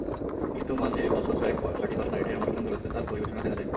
কিন্তু মাঝে বছর ছয়েক থার্টি ফার্স্ট নাইটের অনুষ্ঠানগুলোতে তাঁর পরিবেশনা দেখা যায়নি।